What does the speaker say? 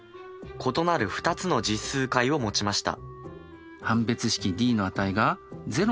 異なる２つの虚数解を持ちました。